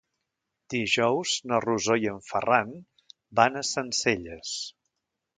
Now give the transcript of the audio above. Dijous na Rosó i en Ferran van a Sencelles.